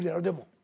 でも。